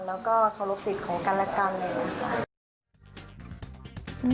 แล้วก็เคารพสิทธิ์ของกันและกันเลยค่ะ